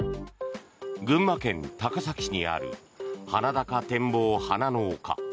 群馬県高崎市にある鼻高展望花の丘。